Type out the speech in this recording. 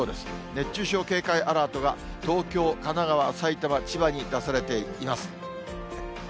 熱中症警戒アラートが東京、神奈川、埼玉、千葉に出されています。